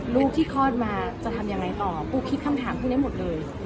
ลูกที่คลอดมาจะทำยังไงต่อปูคิดคำถามพวกนี้หมดเลย